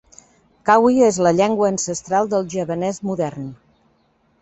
Kawi és la llengua ancestral del javanès modern.